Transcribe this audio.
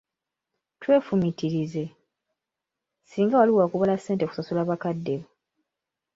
Twefumiitirize, singa wali wakubala ssente kusasula bakadde bo.